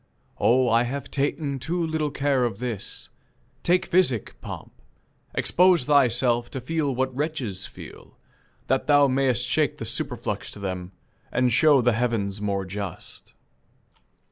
Oh, I have ta'en Too little care of this. Take physic, pomp; Expose thyself to feel what wretches feel, That thou may'st shake the superflux to them, And show the heavens more just."